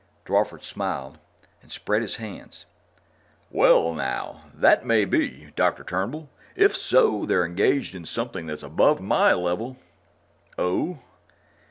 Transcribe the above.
Drawford smiled and spread his hands. "Well, now, that may be. Dr. Turnbull. If so, then they're engaged in something that's above my level." "Oh?"